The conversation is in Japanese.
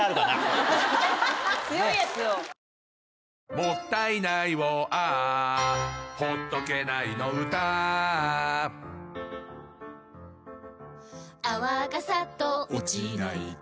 「もったいないをＡｈ」「ほっとけないの唄Ａｈ」「泡がサッと落ちないと」